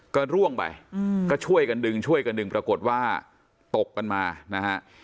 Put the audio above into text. ก็ร่วงไปก็ช่วยกันดึงช่วยกันดึงปรากฏว่าตกกันมานะฮะ